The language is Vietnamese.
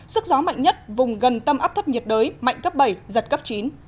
sức gió mạnh nhất vùng gần tâm áp thấp nhiệt đới mạnh cấp bảy giật cấp chín